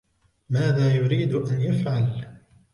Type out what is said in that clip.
ماذا يريد أن يفعل ؟